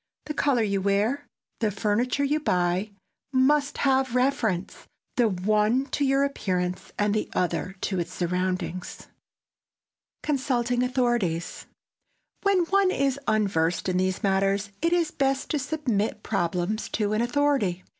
The color you wear, the furniture you buy must have reference, the one to your appearance, the other to its surroundings. [Sidenote: CONSULTING AUTHORITIES] When one is unversed in these matters it is best to submit problems to an authority.